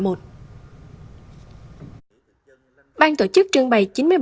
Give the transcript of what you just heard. ban tổ chức trưng bày chín mươi bảy hình ảnh với chủ đề chiến thắng địa biên phủ sức mạnh việt nam